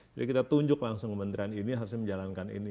jadi kita tunjuk langsung kementerian ini harusnya menjalankan ini